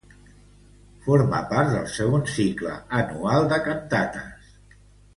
Forma part del segon cicle anual de cantates.